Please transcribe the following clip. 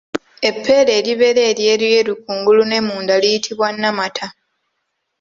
Eppeera eribeera eryeruyeru kungulu ne munda liyitibwa Nnamata.